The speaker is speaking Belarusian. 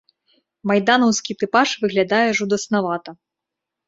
Майданаўскі тыпаж выглядае жудаснавата.